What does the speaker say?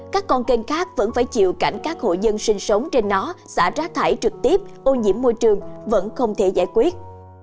các con kênh khác vẫn phải chịu cảnh các hộ dân sinh sống trên nó xả rác thải trực tiếp ô nhiễm môi trường vẫn không thể giải quyết